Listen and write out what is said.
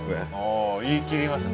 あ言い切りました。